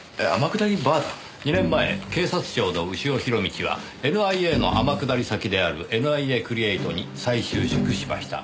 ２年前警察庁の潮弘道がＮＩＡの天下り先であるＮＩＡクリエイトに再就職しました。